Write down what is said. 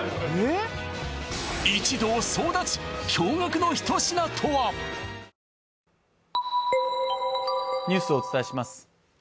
一同総立ちニュースをお伝えします